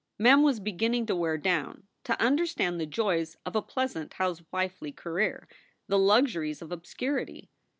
Mem was beginning to wear down, to understand the joys of a pleasant housewifely career, the luxuries of obscurity.